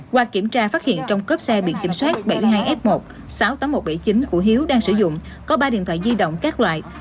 qua kiểm tra phát hiện trong cốp xe biển kiểm soát bảy mươi hai f một sáu mươi tám nghìn một trăm bảy mươi chín của hiếu đang sử dụng có ba điện thoại di động các loại